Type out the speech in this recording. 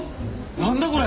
なんだこれ！？